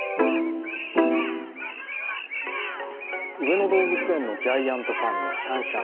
上野動物園のジャイアントパンダ、シャンシャン。